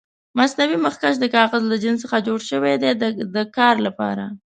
مصنوعي مخکش د کاغذ له جنس څخه جوړ شوي دي د کار لپاره.